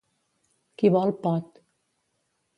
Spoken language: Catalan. Qui vol, pot.